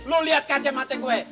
lu liat kacamata gue